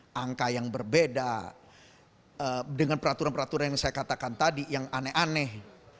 dengan angka yang berbeda dengan peraturan peraturan yang saya katakan tadi yang aneh aneh